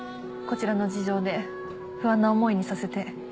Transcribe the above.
こちらの事情で不安な思いにさせて。